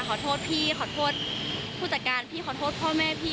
ขอโทษพี่ขอโทษผู้จัดการพี่ขอโทษพ่อแม่พี่